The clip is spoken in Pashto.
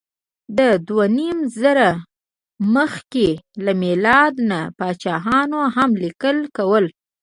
د دوهنیمزره مخکې له میلاد نه پاچاهانو هم لیکل کول.